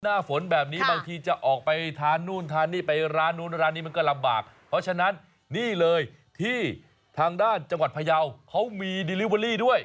หน้าฝนแบบนี้บางทีจะออกไปทานนู่นทานนี่ไปร้านนู้นร้านนี้มันก็ลำบากเพราะฉะนั้นนี่เลยที่ทางด้านจังหวัดพยาวเขามีดิลิเวอรี่ด้วย